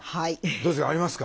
どうですかありますか？